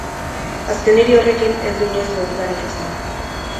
Azken hiri horrekin ez du inoiz loturarik izan.